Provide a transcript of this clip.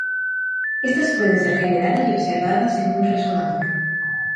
Estas pueden ser generadas y observadas en un resonador.